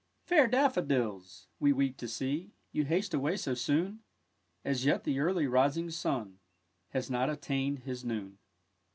Fair Daffodils, we weep to see You haste away so soon As yet the early rising Sun Has not attain'd his noon.